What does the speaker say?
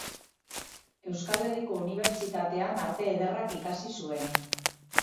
Euskal Herriko Unibertsitatean Arte Ederrak ikasi zuen.